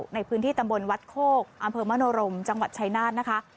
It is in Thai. ในพื้นที่ตำบลวัดโคกอำเภอมโนรมจังหวัดชายนาฏนะคะ